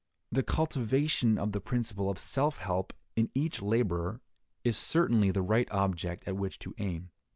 The cultivation of the principle of self help in each laborer is certainly the right object at which to aim.